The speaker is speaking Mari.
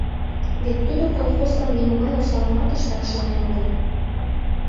Вет тудо колхозлан нимогай осалымат ышташ шонен огыл.